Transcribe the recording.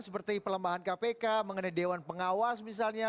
seperti pelemahan kpk mengenai dewan pengawas misalnya